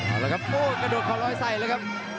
เอาละครับโอ้กระโดดคอลอยใส่เลยครับ